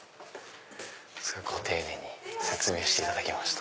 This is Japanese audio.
ご丁寧に説明していただきました。